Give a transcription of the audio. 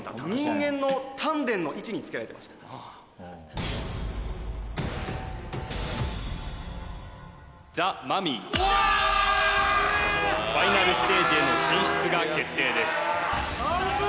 人間の丹田の位置につけられてましたザ・マミィファイナルステージへの進出が決定ですわ